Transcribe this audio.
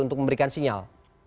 untuk memberikan sinyal